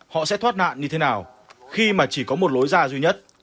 họ sẽ thoát nạn như thế nào khi mà chỉ có một lối ra duy nhất